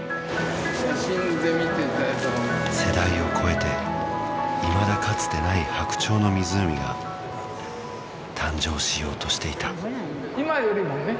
写真で見て世代を超えていまだかつてない「白鳥の湖」が誕生しようとしていた今よりもね